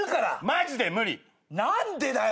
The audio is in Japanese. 何でだよ！